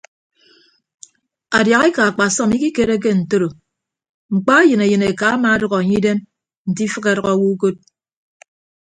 Adiahaeka akpasọm ikikereke ntoro mkpa eyịn eyịneka amaadʌk enye idem nte ifịk adʌk awo ukod.